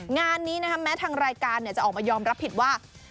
งานนี้นะคะแม้ทางรายการจะออกมายอมรับผิดว่า